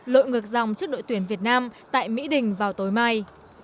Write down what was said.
lội ngược dòng trước đội tuyển việt nam tại mỹ đình vào tối mai